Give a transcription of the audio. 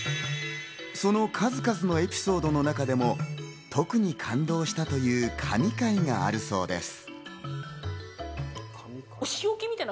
その数々のエピソードの中でも特に感動したという神回があるそうです。